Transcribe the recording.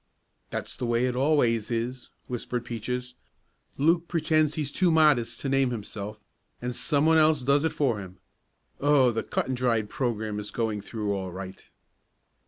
"That's the way it always is," whispered Peaches. "Luke pretends he's too modest to name himself, and some one else does it for him. Oh, the cut and dried program is going through all right!"